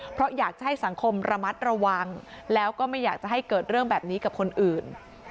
เพราะอยากจะให้สังคมระมัดระวังแล้วก็ไม่อยากจะให้เกิดเรื่องแบบนี้กับคนอื่น